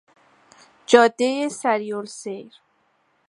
جادهی سریعالسیر